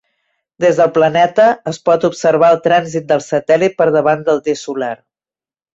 Des del planeta, es pot observar el trànsit del satèl·lit per davant del disc solar.